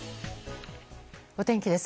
お天気です。